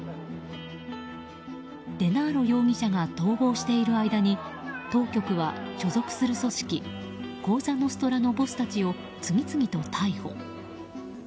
デナーロ容疑者が逃亡している間に当局は、所属する組織コーザ・ノストラのボスたちを次々と逮捕。